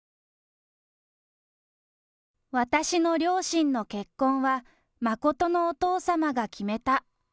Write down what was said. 私の両親の結婚は、真のお父様が決めた。